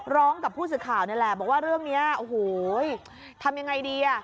กับผู้สื่อข่าวนี่แหละบอกว่าเรื่องนี้โอ้โหทำยังไงดีอ่ะ